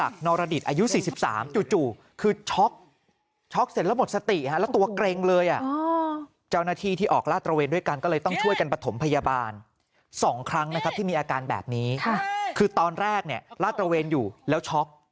คือตอนแรกเนี่ยลาดตระเวนอยู่แล้วช็อก